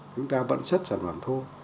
chúng ta vẫn xuất sản phẩm thu